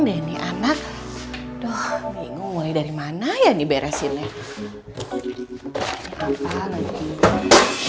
denny anak dong mulai dari mana ya nih beresinnya